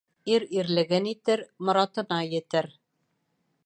Ир ирлеген итер, моратына етер.